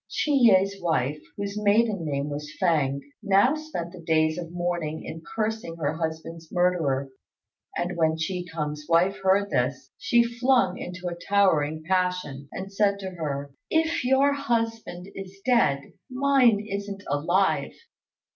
Chi yeh's wife, whose maiden name was Fêng, now spent the days of mourning in cursing her husband's murderer; and when Chi kung's wife heard this, she flew into a towering passion, and said to her, "If your husband is dead, mine isn't alive."